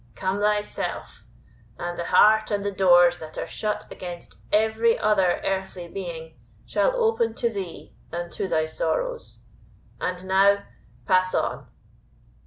Come thyself; and the heart and the doors that are shut against every other earthly being, shall open to thee and to thy sorrows. And now pass on."